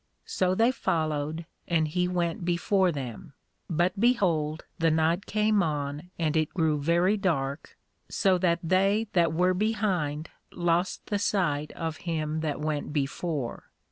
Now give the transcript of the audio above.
So they followed, and he went before them. But behold the night came on, and it grew very dark, so that they that were behind lost the sight of him that went before.